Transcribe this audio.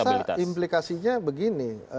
saya rasa implikasinya begini